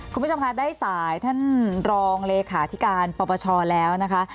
คุณผู้ชมค่ะได้สายท่านรองเลขาธิการปปชแล้วนะคะ